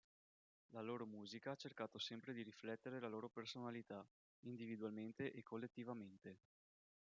La loro musica ha cercato sempre di riflettere la loro personalità, individualmente e collettivamente.